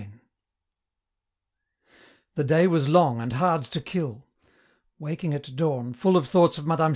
CHAPTER X The day was long and hard to kill. Waking at dawn, full of thoughts of Mme.